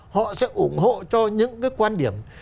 họ sẽ ủng hộ cho những cái quan điểm